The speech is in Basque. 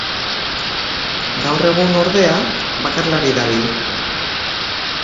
Gaur egun, ordea, bakarlari dabil.